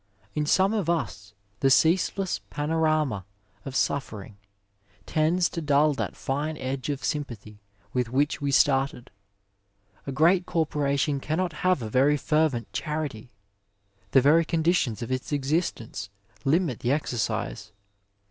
In some of us the ceaseless panorama of suffering tends to dull that fine edge of sympathy with which we started. A great corporation cannot have a very fervent charity ; the very conditions of its existence limit the exercise.